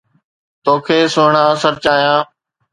توکي سھڻا سرچايان